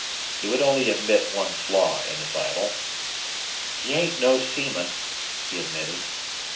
He would only admit one flaw in his idol. "He ain't no seaman," he admitted.